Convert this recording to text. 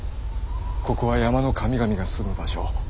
ここは山の神々が住む場所。